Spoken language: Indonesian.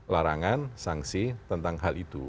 larangan sanksi tentang hal itu